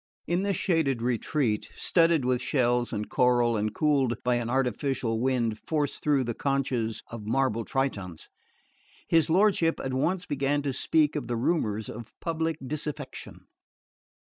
In this shaded retreat, studded with shells and coral and cooled by an artificial wind forced through the conchs of marble Tritons, his lordship at once began to speak of the rumours of public disaffection.